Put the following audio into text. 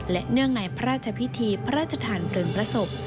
และเนื่องในพระราชพิธีพระราชทานเพลิงพระศพ